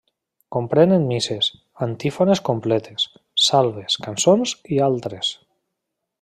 Comprenen misses, antífones, completes, Salves, cançons i altres.